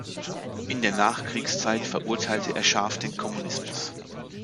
In der Nachkriegszeit verurteilte er scharf den Kommunismus.